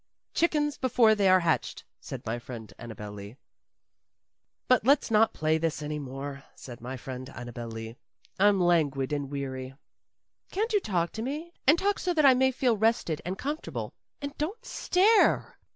"Chickens before they are hatched," said my friend Annabel Lee. "But let's not play this any more," said my friend Annabel Lee. "I'm languid and weary. Can't you talk to me and talk so that I may feel rested and comfortable? And don't stare!"